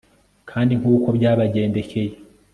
kandi nk'uko byabagendekeye